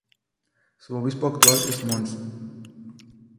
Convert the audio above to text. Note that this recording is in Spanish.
Su Obispo actual es Mons.